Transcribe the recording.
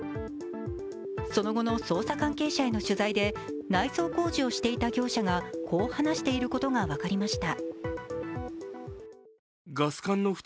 その後の捜査関係者への取材で内装工事をしていた業者がこう話していることが分かりました。